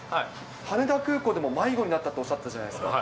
羽田空港でも迷子になったとおっしゃってたじゃないですか、